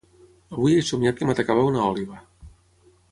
Avui he somiat que m'atacava una òliba.